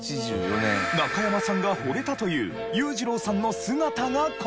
中山さんが惚れたという裕次郎さんの姿がこちら！